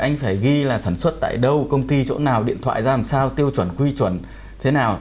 anh phải ghi là sản xuất tại đâu công ty chỗ nào điện thoại ra làm sao tiêu chuẩn quy chuẩn thế nào